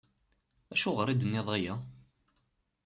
Acuɣer i d-tenniḍ aya?